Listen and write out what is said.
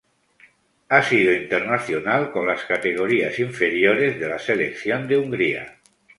Ha sido internacional con las categorías inferiores de la Selección de Hungría.